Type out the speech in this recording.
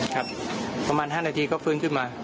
ครับประมาณ๕นาทีก็ฟื้นขึ้นมา